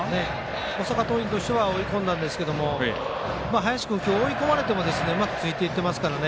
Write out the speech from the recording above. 大阪桐蔭としては追い込んだんですけど林君、今日、追い込まれてもうまくついていっていますからね。